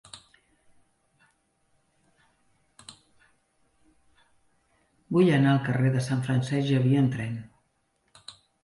Vull anar al carrer de Sant Francesc Xavier amb tren.